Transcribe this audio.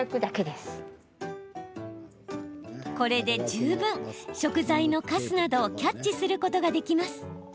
これで十分、食材のかすなどをキャッチすることができます。